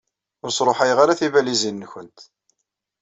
Ur sṛuḥayeɣ ara tibalizin-nkent.